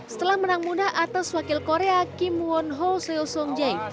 setelah menang muda atas wakil korea kim won ho seol sung jae